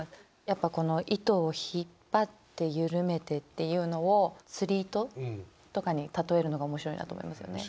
やっぱこの糸を引っ張って緩めてっていうのを釣り糸とかに例えるのが面白いなと思いますよね。